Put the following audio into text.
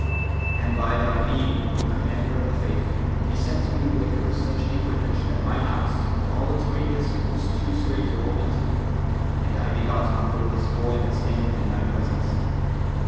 And by thy being, O Commander of the Faithful, he sent me with her such an equipage that my house, for all its greatness, was too strait to hold it! And I begot on her this boy that standeth in thy presence."